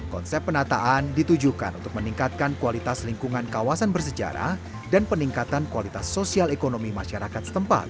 konsep penataan ditujukan untuk meningkatkan kualitas lingkungan kawasan bersejarah dan peningkatan kualitas sosial ekonomi masyarakat setempat